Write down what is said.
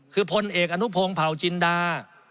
คือพลเอกอนุพงศ์เผาจินดา